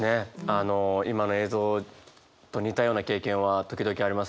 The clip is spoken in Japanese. あの今の映像と似たような経験は時々ありますね。